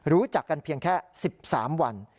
รู้จักกันเพียงแค่๑๓วัน